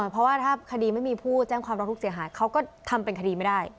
เพราะว่าถ้าคดีไม่มีผู้แจ้งความร้องทุกข์เสียหายเขาก็ทำเป็นคดีไม่ได้